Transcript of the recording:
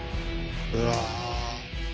うわ。